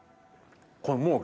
これもう。